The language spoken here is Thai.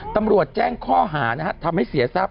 ตำรวจแจ้งข้อหาทำให้เสียทรัพย